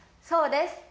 そうです。